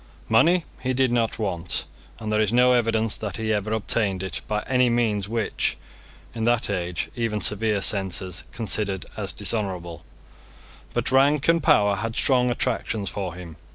Money he did not want; and there is no evidence that he ever obtained it by any means which, in that age, even severe censors considered as dishonourable; but rank and power had strong attractions for him.